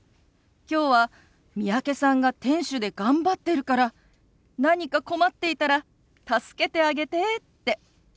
「きょうは三宅さんが店主で頑張ってるから何か困っていたら助けてあげて」って。